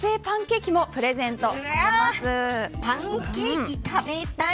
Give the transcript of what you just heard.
パンケーキ食べたい。